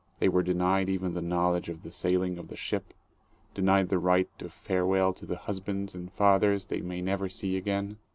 They were denied even the knowledge of the sailing of the ship, denied the right of farewell to the husbands and fathers they may never see again.